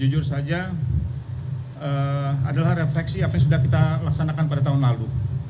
jujur saja adalah refleksi apa yang sudah kita laksanakan pada tahun lalu